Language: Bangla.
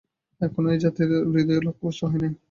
এখনও এই জাতির হৃদয় লক্ষ্যভ্রষ্ট হয় নাই।